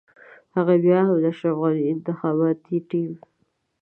هغوی بيا هم د اشرف غني انتخاباتي ټيم.